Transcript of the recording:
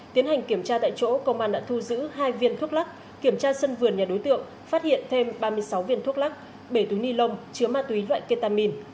tiến hành kiểm tra tại chỗ công an đã thu giữ hai viên thuốc lắc kiểm tra sân vườn nhà đối tượng phát hiện thêm ba mươi sáu viên thuốc lắc bảy túi ni lông chứa ma túy loại ketamin